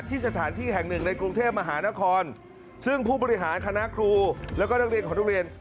สถานที่แห่งหนึ่งในกรุงเทพมหานครซึ่งผู้บริหารคณะครูแล้วก็นักเรียนของโรงเรียน